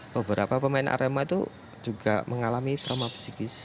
beberapa pemain arema itu juga mengalami trauma psikis